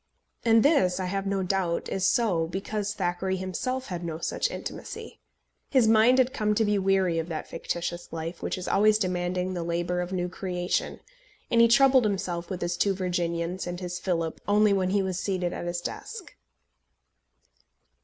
And this, I have no doubt, is so because Thackeray himself had no such intimacy. His mind had come to be weary of that fictitious life which is always demanding the labour of new creation, and he troubled himself with his two Virginians and his Philip only when he was seated at his desk.